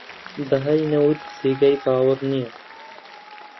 بەهای نەوت جێگەی باوەڕ نییە